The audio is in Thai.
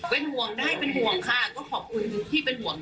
เป็นห่วงได้เป็นห่วงค่ะก็ขอบคุณที่เป็นห่วง